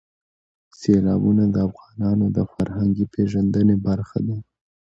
سیلابونه د افغانانو د فرهنګي پیژندنې برخه ده.